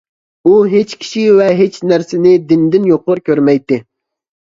ئۇ ھېچ كىشى ۋە ھېچ نەرسىنى دىندىن يۇقىرى كۆرمەيتتى.